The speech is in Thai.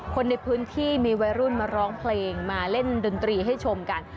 คนในพื้นที่มีวัยรุ่นมาร้องเพลงมาเล่นดนตรีให้ชมกัน